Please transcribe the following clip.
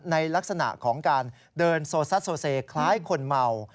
ในลักษณะของการเดินโซซัสโซเซคล้ายคนเมา